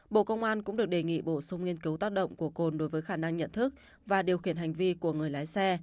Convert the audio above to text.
bộ công an cũng được đề nghị bổ sung nghiên cứu tác động của cồn đối với khả năng nhận thức và điều khiển hành vi của người lái xe